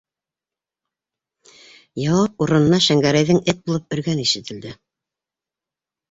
Яуап урынына Шәңгәрәйҙең эт булып өргәне ишетелде.